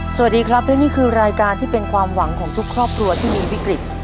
สวัสดีครับและนี่คือรายการที่เป็นความหวังของทุกครอบครัวที่มีวิกฤต